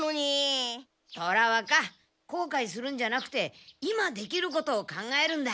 虎若こうかいするんじゃなくて今できることを考えるんだ。